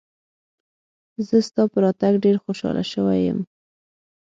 زه ستا په راتګ ډېر خوشاله شوی یم.